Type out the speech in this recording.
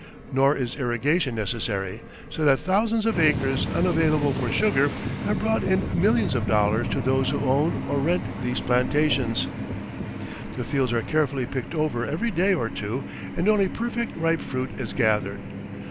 Nor is irrigation necessary, so that thousands of acres unavailable for sugar have brought in millions of dollars to those who own or rent these plantations. [Illustration: PINEAPPLE PLANTATION, ISLAND OF OAHU.] The fields are carefully picked over every day or two, and only perfectly ripe fruit is gathered.